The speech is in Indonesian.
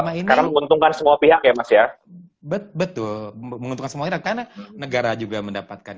menguntungkan semua pihak ya mas ya betul menguntungkan semua karena negara juga mendapatkan